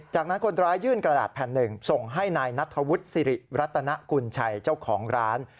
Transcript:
จากนั้นคนร้ายยื่นกระดาษแผ่นหนึ่งส่งให้นายนัทธวุฒิสิริรัตนกุญชัยเจ้าของร้าน